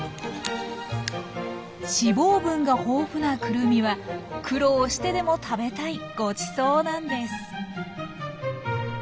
脂肪分が豊富なクルミは苦労してでも食べたいごちそうなんです。